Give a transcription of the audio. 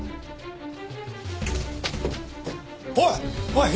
おい！